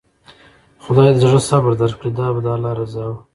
خداى د زړه صبر درکړي، دا به د الله رضا وه.